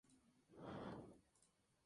El concierto...